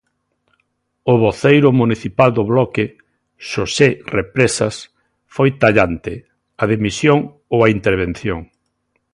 O voceiro municipal do Bloque, Xosé Represas, foi tallante: "A dimisión ou a intervención".